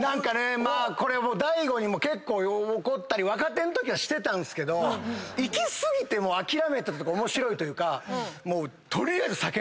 これ大悟にも結構怒ったり若手んときはしてたんすけど行き過ぎて諦めてるというか面白いというか。